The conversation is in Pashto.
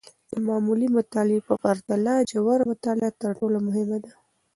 د معمولي مطالعې په پرتله، ژوره مطالعه تر ټولو مهمه ده.